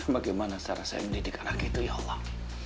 bagaimana cara saya mendidik anak itu ya allah